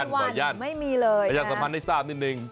ต่อมาได้สามนิดนึง